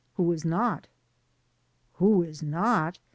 "Who is not?" "Who is not?